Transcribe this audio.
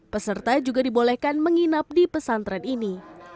peserta juga dibolehkan menginap di pesantren ini